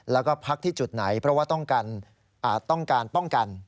แล้วก็พักที่จุดไหนเพราะว่าต้องการป้องกัน